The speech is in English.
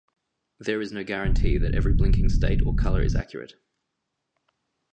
There is no guarantee that every blinking state or color is accurate.